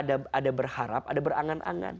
ada berharap ada berangan angan